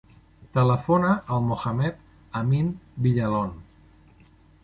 Telefona al Mohamed amin Villalon.